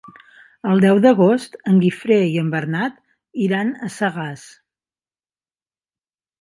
El deu d'agost en Guifré i en Bernat iran a Sagàs.